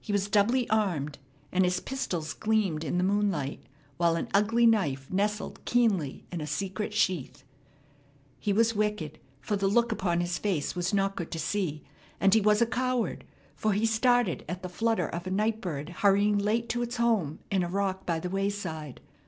He was doubly armed, and his pistols gleamed in the moonlight, while an ugly knife nestled keenly in a secret sheath. He was wicked, for the look upon his face was not good to see; and he was a coward, for he started at the flutter of a night bird hurrying late to its home in a rock by the wayside.